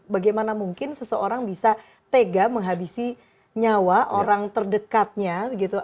bagaimana mungkin seseorang bisa tega menghabisi nyawa orang terdekatnya begitu